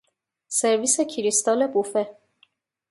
سرویس کریستال بوفه